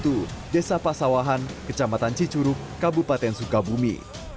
kedua itu desa pasawahan kecamatan cicurup kabupaten sukabumi